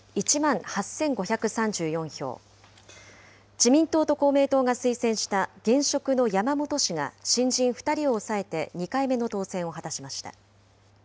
自民党と公明党が推薦した現職の山本氏が、新人２人を抑えて２回目の当選を果たしました。